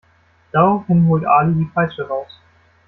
Daraufhin holt Ali die Peitsche raus.